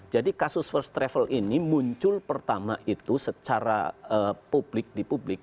jadi kasus first travel ini muncul pertama itu secara publik di publik